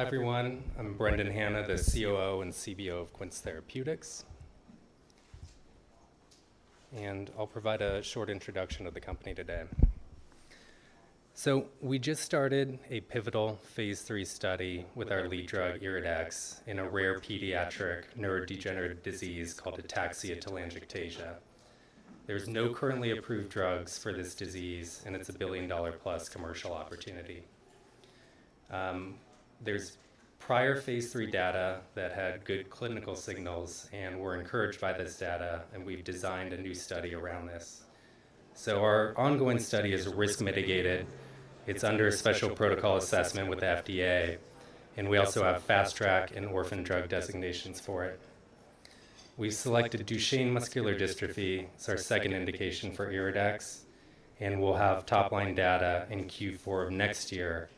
Hi, everyone. I'm Brendan Hannah, the COO and CBO of Quince Therapeutics. And I'll provide a short introduction of the company today. So we just started a pivotal phase III study with our lead drug, EryDex, in a rare pediatric neurodegenerative disease called ataxia telangiectasia. There's no currently approved drugs for this disease, and it's a $1 billion+ commercial opportunity. There's prior phase III data that had good clinical signals and were encouraged by this data, and we've designed a new study around this. So our ongoing study is risk-mitigated. It's under a special protocol assessment with the FDA, and we also have Fast Track and orphan drug designations for it. We selected Duchenne muscular dystrophy. It's our second indication for EryDex, and we'll have top-line data in Q4 of next year,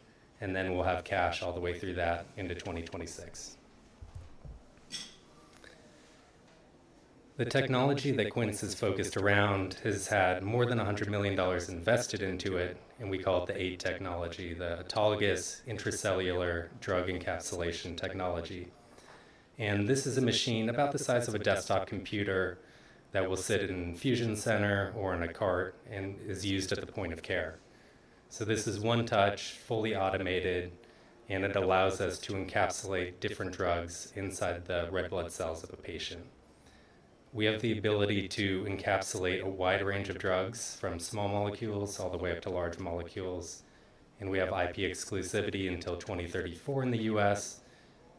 and then we'll have cash all the way through that into 2026. The technology that Quince is focused around has had more than $100 million invested into it, and we call it the AIDE technology, the autologous intracellular drug encapsulation technology. This is a machine about the size of a desktop computer that will sit in an infusion center or in a cart and is used at the point of care. This is one-touch, fully automated, and it allows us to encapsulate different drugs inside the red blood cells of a patient. We have the ability to encapsulate a wide range of drugs from small molecules all the way up to large molecules, and we have IP exclusivity until 2034 in the U.S.,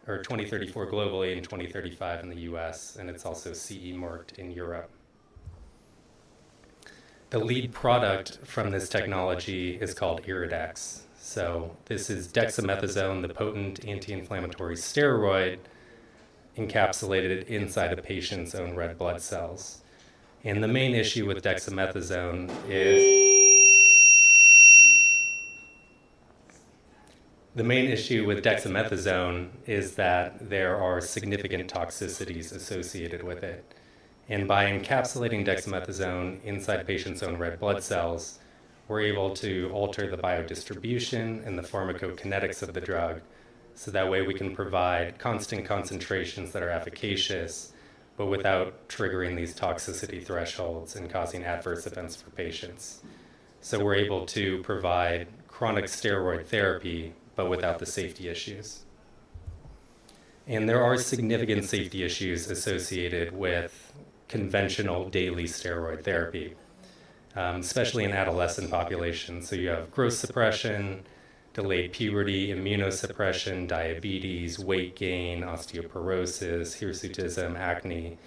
or 2034 globally and 2035 in the U.S., and it's also CE marked in Europe. The lead product from this technology is called EryDex. This is dexamethasone, the potent anti-inflammatory steroid encapsulated inside a patient's own red blood cells. And the main issue with dexamethasone is that there are significant toxicities associated with it. And by encapsulating dexamethasone inside patients' own red blood cells, we're able to alter the biodistribution and the pharmacokinetics of the drug so that way we can provide constant concentrations that are efficacious but without triggering these toxicity thresholds and causing adverse events for patients. So we're able to provide chronic steroid therapy but without the safety issues. And there are significant safety issues associated with conventional daily steroid therapy, especially in adolescent populations. So you have growth suppression, delayed puberty, immunosuppression, diabetes, weight gain, osteoporosis, hirsutism, acne.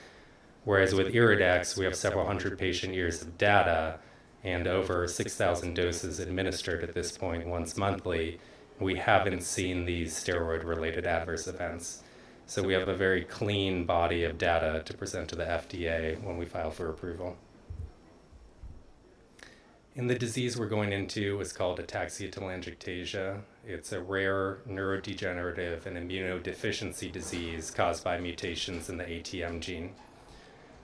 Whereas with EryDex, we have several hundred patient years of data and over 6,000 doses administered at this point once monthly. We haven't seen these steroid-related adverse events, so we have a very clean body of data to present to the FDA when we file for approval, and the disease we're going into is called ataxia telangiectasia. It's a rare neurodegenerative and immunodeficiency disease caused by mutations in the ATM gene,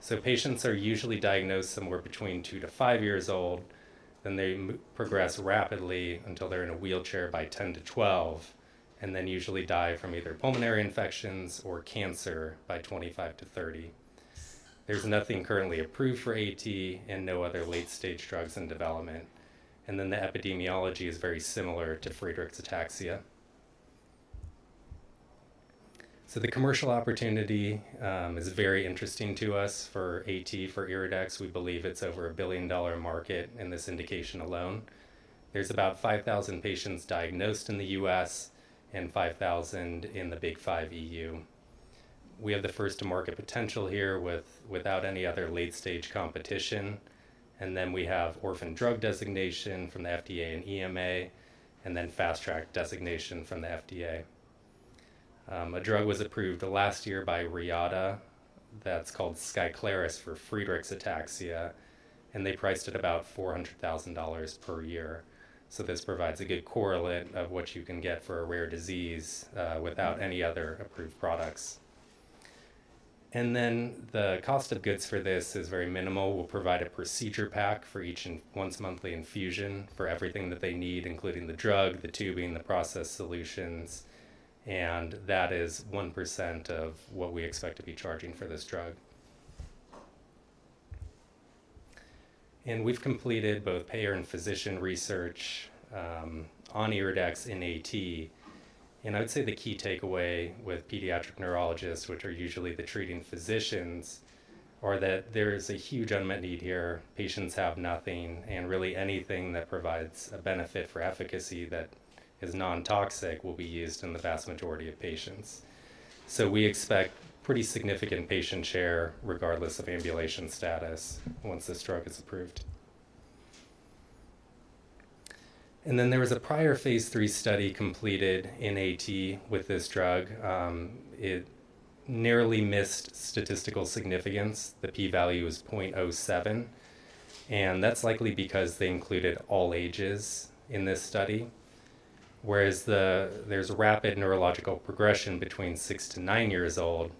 so patients are usually diagnosed somewhere between two to five years old, then they progress rapidly until they're in a wheelchair by 10-12, and then usually die from either pulmonary infections or cancer by 25-30. There's nothing currently approved for A-T and no other late-stage drugs in development, and then the epidemiology is very similar to Friedreich's ataxia, so the commercial opportunity is very interesting to us for A-T for EryDex. We believe it's over a $1 billion market in this indication alone. There's about 5,000 patients diagnosed in the U.S. and 5,000 in the Big Five EU. We have the first-to-market potential here without any other late-stage competition. And then we have orphan drug designation from the FDA and EMA, and then Fast Track designation from the FDA. A drug was approved last year by Reata that's called Skyclarys for Friedreich's ataxia, and they priced it about $400,000 per year. So this provides a good correlate of what you can get for a rare disease without any other approved products. And then the cost of goods for this is very minimal. We'll provide a procedure pack for each once-monthly infusion for everything that they need, including the drug, the tubing, the process solutions, and that is 1% of what we expect to be charging for this drug. And we've completed both payer and physician research on EryDex in A-T. I would say the key takeaway with pediatric neurologists, which are usually the treating physicians, is that there is a huge unmet need here. Patients have nothing, and really anything that provides a benefit for efficacy that is non-toxic will be used in the vast majority of patients. We expect pretty significant patient share regardless of ambulation status once this drug is approved. Then there was a prior phase III study completed in A-T with this drug. It narrowly missed statistical significance. The P-value is 0.07, and that's likely because they included all ages in this study, whereas there's rapid neurological progression between six to nine years old,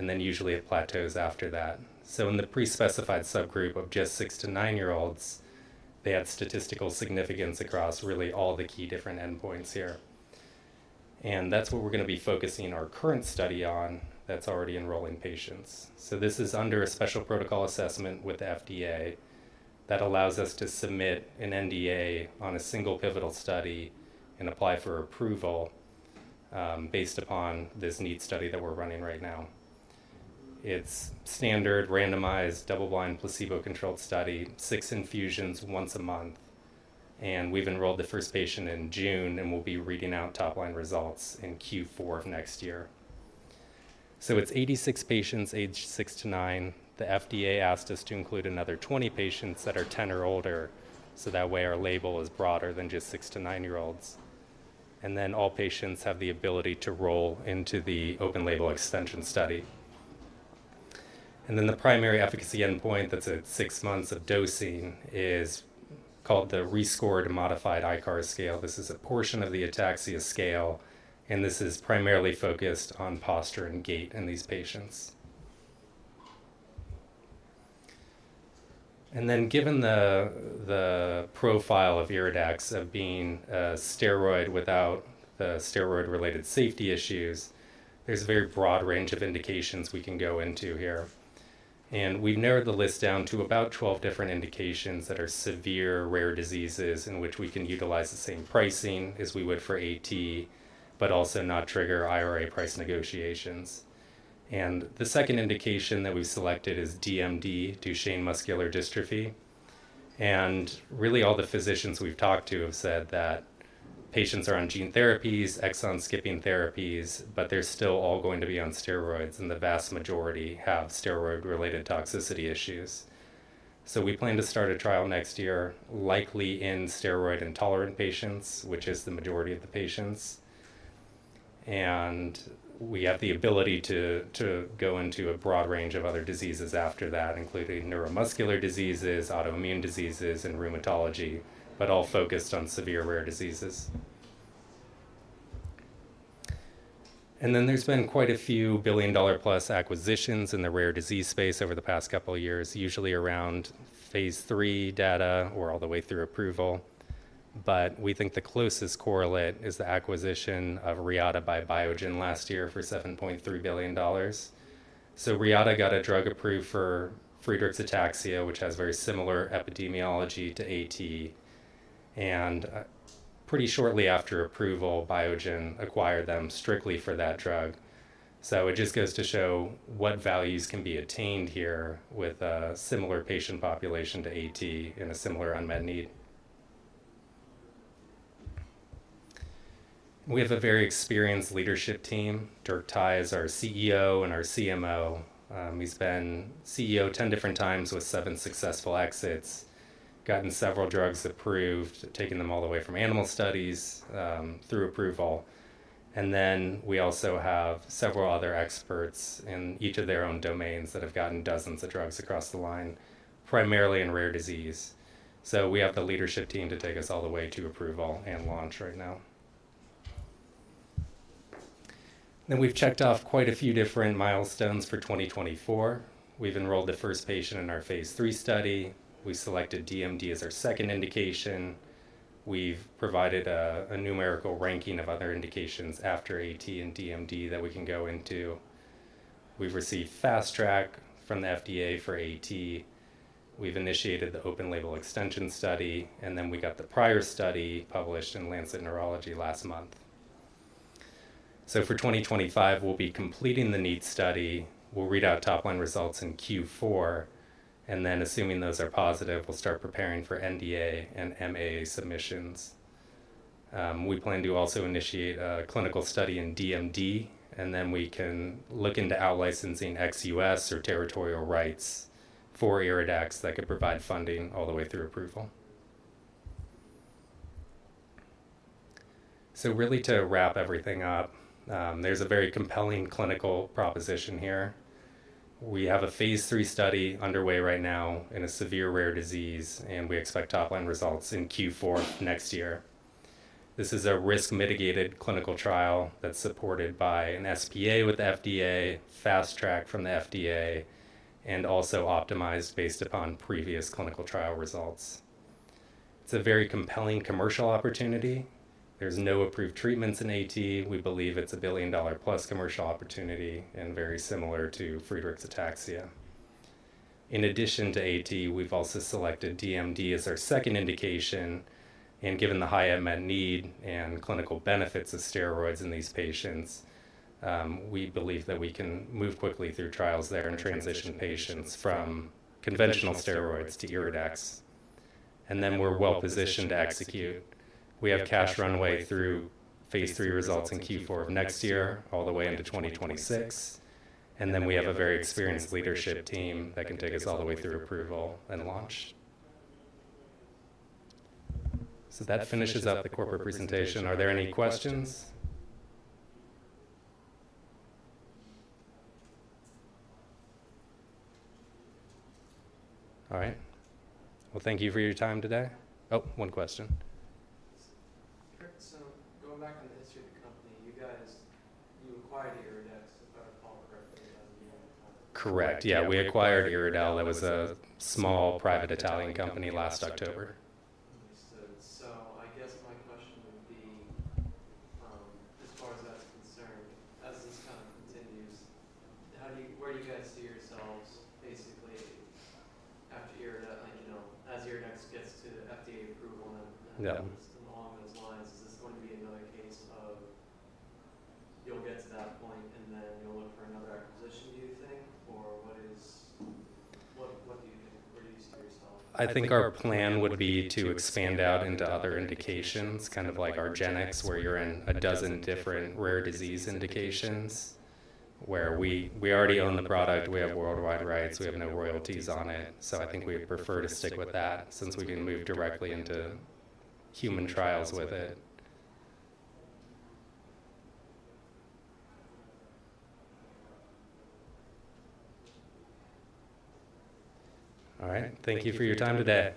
and then usually it plateaus after that. In the pre-specified subgroup of just six to nine-year-olds, they had statistical significance across really all the key different endpoints here. That's what we're going to be focusing our current study on that's already enrolling patients. So this is under a special protocol assessment with the FDA that allows us to submit an NDA on a single pivotal study and apply for approval based upon this NEAT study that we're running right now. It's standard, randomized, double-blind, placebo-controlled study, six infusions once a month. And we've enrolled the first patient in June, and we'll be reading out top-line results in Q4 of next year. So it's 86 patients aged six to nine. The FDA asked us to include another 20 patients that are 10 or older so that way our label is broader than just six to nine-year-olds. And then all patients have the ability to roll into the open-label extension study. The primary efficacy endpoint that's at six months of dosing is called the responder score to Modified ICARS scale. This is a portion of the ataxia scale, and this is primarily focused on posture and gait in these patients. Given the profile of EryDex of being a steroid without the steroid-related safety issues, there's a very broad range of indications we can go into here. We've narrowed the list down to about 12 different indications that are severe rare diseases in which we can utilize the same pricing as we would for A-T, but also not trigger IRA price negotiations. The second indication that we've selected is DMD, Duchenne muscular dystrophy. Really all the physicians we've talked to have said that patients are on gene therapies, exon-skipping therapies, but they're still all going to be on steroids, and the vast majority have steroid-related toxicity issues. We plan to start a trial next year, likely in steroid-intolerant patients, which is the majority of the patients. We have the ability to go into a broad range of other diseases after that, including neuromuscular diseases, autoimmune diseases, and rheumatology, but all focused on severe rare diseases. Then there's been quite a few billion-dollar-plus acquisitions in the rare disease space over the past couple of years, usually around phase III data or all the way through approval. We think the closest correlate is the acquisition of Reata by Biogen last year for $7.3 billion. Reata got a drug approved for Friedreich's ataxia, which has very similar epidemiology to A-T. Pretty shortly after approval, Biogen acquired them strictly for that drug. So it just goes to show what values can be attained here with a similar patient population to A-T and a similar unmet need. We have a very experienced leadership team. Dirk Thye is our CEO and our CMO. He's been CEO 10 different times with seven successful exits, gotten several drugs approved, taken them all the way from animal studies through approval. And then we also have several other experts in each of their own domains that have gotten dozens of drugs across the line, primarily in rare disease. So we have the leadership team to take us all the way to approval and launch right now. And we've checked off quite a few different milestones for 2024. We've enrolled the first patient in our phase III study. We selected DMD as our second indication. We've provided a numerical ranking of other indications after A-T and DMD that we can go into. We've received Fast Track from the FDA for A-T. We've initiated the open-label extension study, and then we got the prior study published in Lancet Neurology last month. So for 2025, we'll be completing the NEAT study. We'll read out top-line results in Q4, and then assuming those are positive, we'll start preparing for NDA and MAA submissions. We plan to also initiate a clinical study in DMD, and then we can look into outlicensing ex-U.S. or territorial rights for EryDex that could provide funding all the way through approval. So really to wrap everything up, there's a very compelling clinical proposition here. We have a phase III study underway right now in a severe rare disease, and we expect top-line results in Q4 next year. This is a risk-mitigated clinical trial that's supported by an SPA with the FDA, Fast Track from the FDA, and also optimized based upon previous clinical trial results. It's a very compelling commercial opportunity. There's no approved treatments in A-T. We believe it's a $1 billion+ commercial opportunity and very similar to Friedreich's ataxia. In addition to A-T, we've also selected DMD as our second indication. And given the high unmet need and clinical benefits of steroids in these patients, we believe that we can move quickly through trials there and transition patients from conventional steroids to EryDex. And then we're well-positioned to execute. We have cash runway through phase III results in Q4 of next year all the way into 2026. And then we have a very experienced leadership team that can take us all the way through approval and launch. So that finishes up the corporate presentation. Are there any questions? All right. Well, thank you for your time today. Oh, one question. Sir, so going back on the history of the company, you guys acquired EryDex, if I recall correctly, as a medium of. Correct. Yeah. We acquired EryDel. That was a small private Italian company last October. Understood. So I guess my question would be, as far as that's concerned, as this kind of continues, where do you guys see yourselves basically after EryDex gets to FDA approval and along those lines? Is this going to be another case of you'll get to that point and then you'll look for another acquisition, do you think? Or what do you think? Where do you see yourself? I think our plan would be to expand out into other indications, kind of like argenx, where you're in a dozen different rare disease indications, where we already own the product. We have worldwide rights. We have no royalties on it. So I think we would prefer to stick with that since we can move directly into human trials with it. All right. Thank you for your time today.